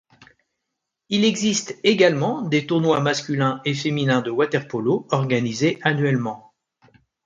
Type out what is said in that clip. Il existe également des tournois masculin et féminin de water-polo organisés annuellement.